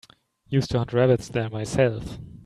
Used to hunt rabbits there myself.